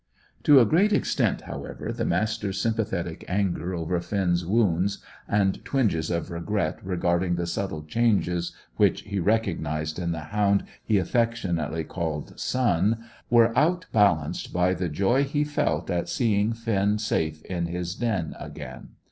To a great extent, however, the Master's sympathetic anger over Finn's wounds, and twinges of regret regarding the subtle changes which he recognised in the hound he affectionately called "son," were out balanced by the joy he felt at seeing Finn safe in his den again.